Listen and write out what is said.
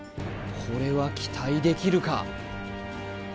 これは期待できるか？